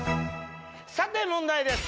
さて問題です！